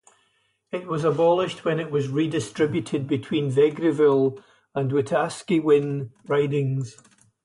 It was abolished when it was redistributed between Vegreville and Wetaskiwin ridings.